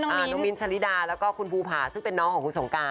น้องมิ้นทะลิดาแล้วก็คุณภูผาซึ่งเป็นน้องของคุณสงการ